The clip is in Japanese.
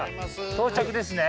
到着ですね。